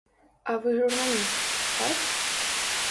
А вы журналіст, так?